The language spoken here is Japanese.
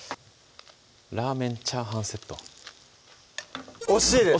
ラーメン・チャーハンセット惜しいです！